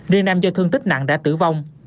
riêng nam do thương tích nặng đã tử vong